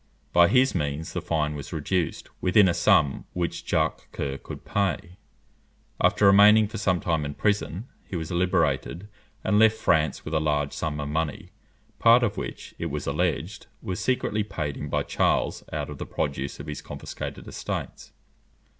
By his means the fine was reduced within a sum which Jacques Coeur could pay. After remaining for some time in prison, he was liberated, and left France with a large sum of money, part of which, it was alleged, was secretly paid him by Charles out of the produce of his confiscated estates.